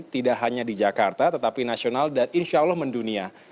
tidak hanya di jakarta tetapi nasional dan insya allah mendunia